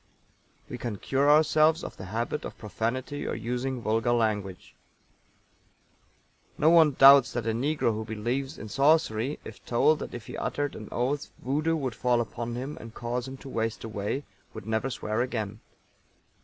We can cure ourselves of the habit of profanity or using vulgar language. No one doubts that a negro who believes in sorcery, if told that if he uttered an oath, Voodoo would fall upon him and cause him to waste away, would never swear again.